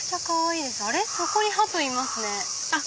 そこに鳩いますね。